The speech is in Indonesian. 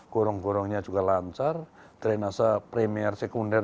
gorong gorongnya juga lancar drainase premier sekunder